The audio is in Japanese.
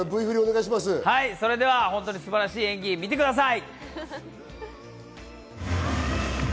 それでは本当に素晴らしい演技、見てください。